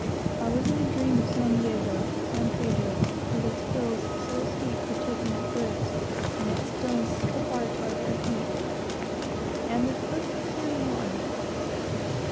I was in a dream of San Diego, San Pedro with its hills so steep for taking up goods, and its stones so hard to our bare feet and the cliffs of San Juan!